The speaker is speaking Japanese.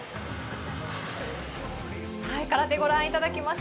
空手ご覧いただきました。